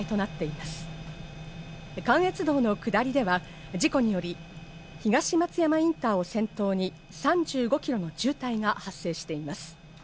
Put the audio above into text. また関越道の下りでは事故により東松山インターを先頭に３５ｋｍの渋滞が発生しています。